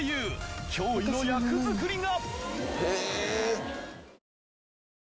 驚異の役作りが！